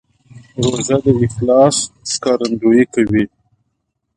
روژه د اخلاص ښکارندویي کوي.